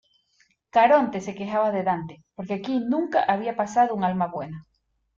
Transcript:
Caronte se quejaba de Dante porque aquí nunca había pasado un alma buena.